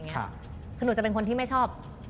คือหนูจะเป็นคนที่ไม่ชอบ